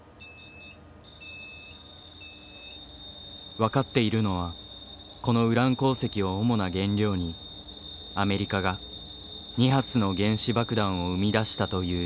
分かっているのはこのウラン鉱石を主な原料にアメリカが２発の原子爆弾を生み出したという事実。